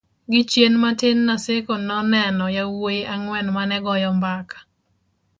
gi chien matin Naseko noneno yawuyi ang'wen manegoyo mbaka